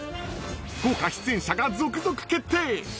豪華出演者が続々決定。